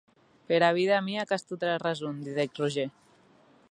Per vida mia qu’as tota era rason, didec Roger.